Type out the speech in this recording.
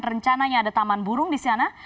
rencananya ada taman burung di sana